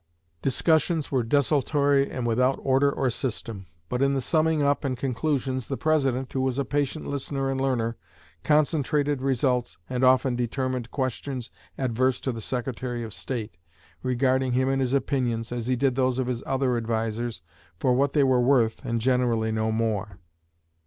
Discussions were desultory and without order or system; but in the summing up and conclusions the President, who was a patient listener and learner, concentrated results, and often determined questions adverse to the Secretary of State, regarding him and his opinions, as he did those of his other advisers, for what they were worth and generally no more."